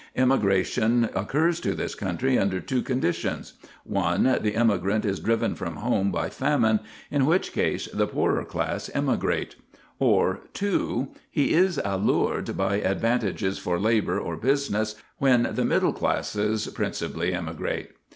Emigration occurs to this country under two conditions: 1. The emigrant is driven from home by famine, in which case the poorer class emigrate, or, 2, he is allured by advantages for labor or business, when the middle classes principally emigrate.